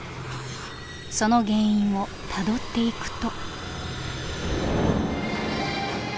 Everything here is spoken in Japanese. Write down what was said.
その原因をたどっていくと。